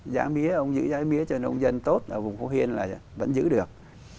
giá mía ông giữ giá mía cho nông dân tốt ở vùng khu huyên là vẫn giữ được